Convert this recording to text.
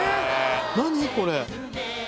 何これ？